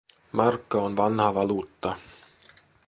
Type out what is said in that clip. Markka on vanha valuutta.